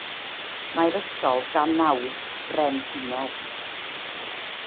Mae'r ysgol dan nawdd brenhinol.